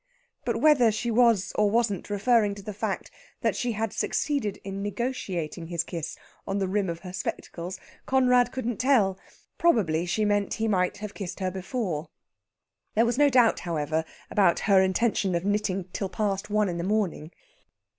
But whether she was or wasn't referring to the fact that she had succeeded in negotiating his kiss on the rim of her spectacles, Conrad couldn't tell. Probably she meant he might have kissed her before. There was no doubt, however, about her intention of knitting till past one in the morning.